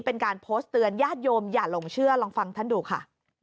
เป็นการโพสต์เตือนญาติโยมอย่าหลงเชื่อลองฟังท่านดูค่ะ